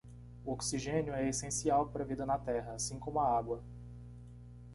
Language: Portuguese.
O oxigênio é essencial para a vida na terra, assim como a água.